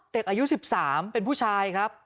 อายุ๑๓เป็นผู้ชายครับ